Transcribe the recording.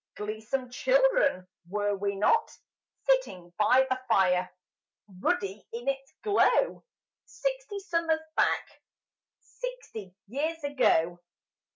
Gleesome children were we not? Sitting by the fire, Ruddy in its glow, Sixty summers back Sixty years ago.